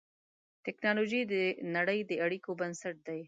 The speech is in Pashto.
ټکنالوجي د نړۍ د اړیکو بنسټ دی.